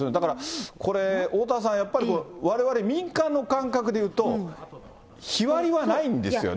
これ、おおたわさん、やっぱ、われわれ、民間の感覚でいうと、日割りはないんですよね。